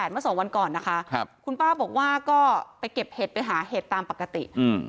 ๕๑๘มา๒วันก่อนนะคะนะครับคุณป้าบอกว่าก็ไปเก็บเผ็ดไปหาเหตุตามปกติ